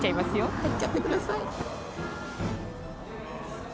入っちゃって下さい。